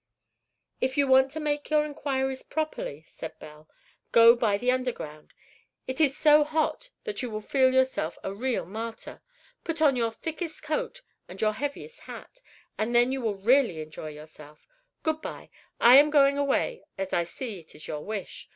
"If you want to make your inquiries properly," said Belle, "go by the underground. It is so hot that you will feel yourself a real martyr. Put on your thickest coat and your heaviest hat, and then you will really enjoy yourself. Good by: I am going away, as I see it is your wish.